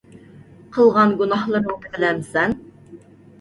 قىلغان گۇناھلىرىڭنى بىلەمسەن؟